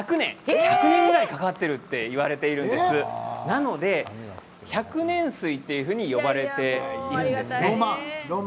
１００年ぐらいかかっているといわれているので百年水と呼ばれているんです。